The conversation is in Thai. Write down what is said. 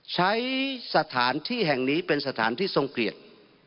ใช้สถานที่แห่งนี้เป็นสถานที่ทรงเกลียด